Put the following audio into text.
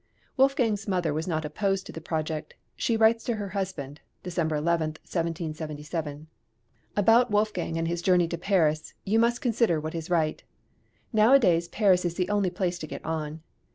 Wolfgang's mother was not opposed to the project; she writes to her husband (December 11, 1777): {PLANS FOR A JOURNEY TO PARIS.} (391) About Wolfgang and his journey to Paris you must consider what is right: nowadays Paris is the only place to get on.